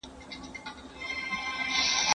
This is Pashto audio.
پیا له پر تشېدو ده څوک به ځي څوک به راځي